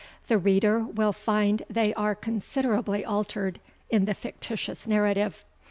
The reader will find they are considerably altered in the fictitious narrative.